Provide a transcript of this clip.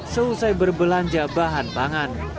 selesai berbelanja bahan bangan